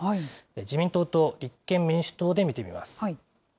自民党と立憲民主党で見てみます。